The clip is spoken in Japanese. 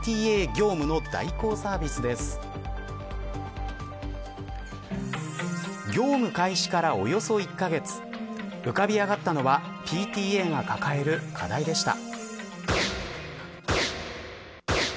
業務開始からおよそ１カ月浮かび上がったのはＰＴＡが抱える課題でした。